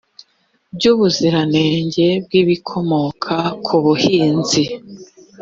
by ubuziranenge bw ibikomoka ku buhinzi